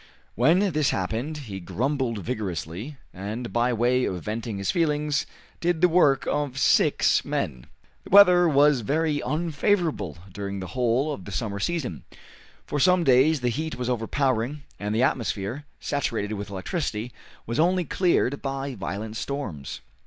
When this happened he grumbled vigorously, and, by way of venting his feelings, did the work of six men. The weather was very unfavorable during the whole of the summer season. For some days the heat was overpowering, and the atmosphere, saturated with electricity, was only cleared by violent storms.